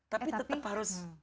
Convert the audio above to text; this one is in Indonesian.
tapi tetap harus